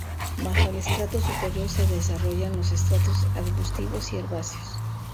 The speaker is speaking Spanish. Bajo el estrato superior se desarrollan los estratos arbustivos y herbáceos.